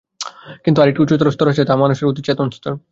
কিন্তু আর একটি উচ্চতর স্তর আছে, তাহা মানুষের অতি-চেতন স্তর।